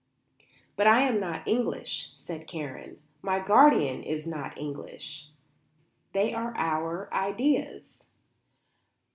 "But I am not English," said Karen, "my guardian is not English. They are our ideas."